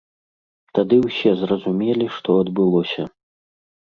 Тады ўсе зразумелі, што адбылося.